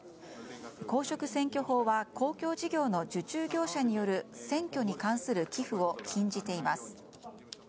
公職選挙法は公共事業の受注業者による選挙に関する寄付を禁じています。